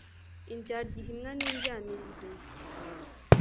indyarya ihimwa n'indyamirizi